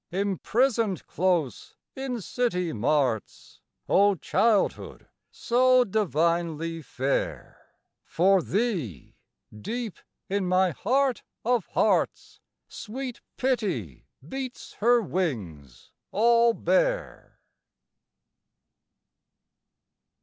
Imprisoned close in city marts, O childhood, so divinely fair, For thee, deep in my heart of hearts, Sweet pity beats her wings all bare!